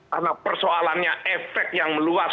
karena persoalannya efek yang meluas